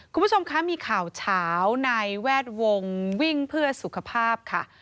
คุณผู้ชมคะมีข่าวเฉาในแวดวงวิ่งเพื่อสุขภาพค่ะ